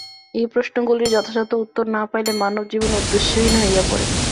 এই প্রশ্নগুলির যথাযথ উত্তর না পাইলে মানবজীবন উদ্দেশ্যহীন হইয়া পড়ে।